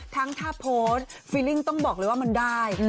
ทั้งถ้าโพสต์ฟีลิ่งต้องบอกเลยว่ามันได้